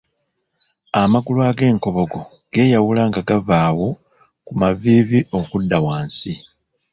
Amagulu ag’enkobogo geeyawula nga gava awo ku maviivi okudda wansi.